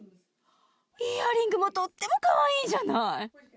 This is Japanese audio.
イヤリングもとってもカワイイじゃない。